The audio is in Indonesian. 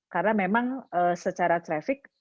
karena memang secara traffic